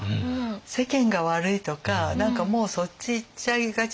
世間が悪いとか何かもうそっちいっちゃいがちなんです。